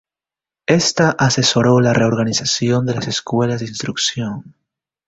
Esta asesoró la reorganización de las Escuelas de instrucción.